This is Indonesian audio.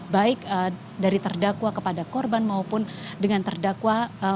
baik dari terdakwa kepada korban maupun dengan terdakwa dan juga terdakwa lainnya